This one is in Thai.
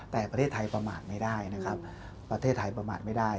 แต่ประเทศไทยประมาทไม่ได้นะครับประเทศไทยประมาทไม่ได้